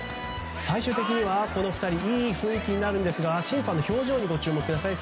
最終的にはこの２人いい雰囲気になるんですが審判の表情にご注目ください。